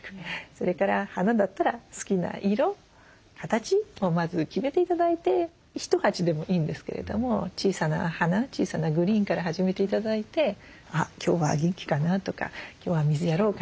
それから花だったら好きな色形をまず決めて頂いて１鉢でもいいんですけれども小さな花小さなグリーンから始めて頂いて「あっ今日は元気かな」とか「今日は水やろうかな」